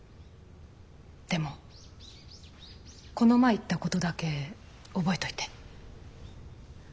でもこの前言ったことだけ覚えといて。